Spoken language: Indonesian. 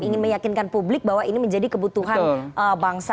ingin meyakinkan publik bahwa ini menjadi kebutuhan bangsa